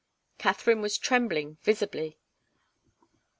Katharine was trembling visibly.